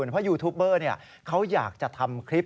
เพราะยูทูปเบอร์เขาอยากจะทำคลิป